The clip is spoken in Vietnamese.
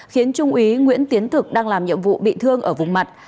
khiến trung úy nguyễn tiến thực đang làm nhiệm vụ bị thương ở vùng mặt